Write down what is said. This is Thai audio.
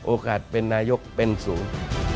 โอกาสเป็นนายกเป็นสูง